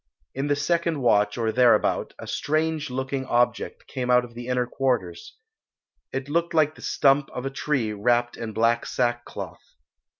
In the second watch or thereabout, a strange looking object came out of the inner quarters. It looked like the stump of a tree wrapped in black sackcloth.